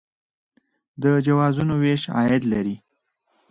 د جوازونو ویش عاید لري